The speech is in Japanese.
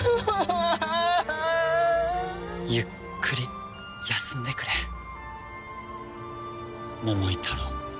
ゆっくり休んでくれ桃井タロウ。